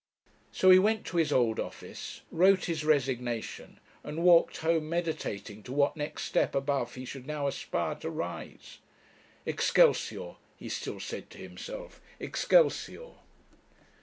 So he went to his old office, wrote his resignation, and walked home meditating to what next step above he should now aspire to rise. 'Excelsior!' he still said to himself, 'Excelsior!'